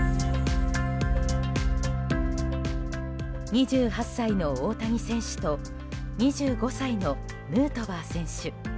２８歳の大谷選手と２５歳のヌートバー選手。